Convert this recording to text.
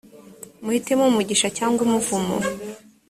muhitemo umugisha cyangwa umuvumo